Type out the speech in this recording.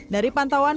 dari pantauan padatang